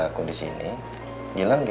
aku udah bilang